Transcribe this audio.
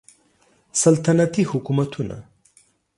سلطنتي حکومتونه